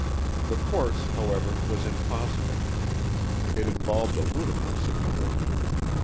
The course, however, was impossible. It involved a ludicrous situation.